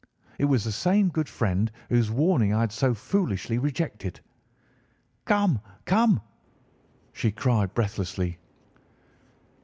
It was the same good friend whose warning I had so foolishly rejected. "'Come! come!' she cried breathlessly.